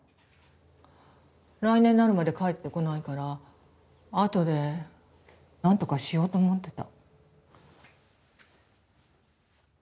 来年になるまで帰ってこないからあとでなんとかしようと思ってた。